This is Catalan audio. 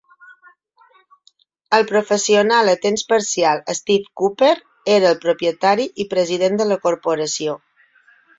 El professional a temps parcial Steve Cooper era el propietari i president de la corporació.